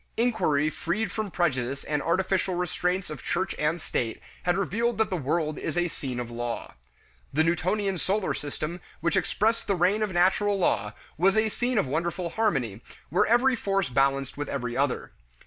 Inquiry freed from prejudice and artificial restraints of church and state had revealed that the world is a scene of law. The Newtonian solar system, which expressed the reign of natural law, was a scene of wonderful harmony, where every force balanced with every other.